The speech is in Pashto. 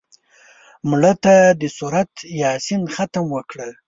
مړه ته د سورت یاسین ختم وکړه